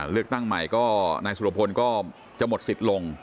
เลือกตั้งใหม่ก็นายสุรพลก็จะหมดสิทธิ์ลง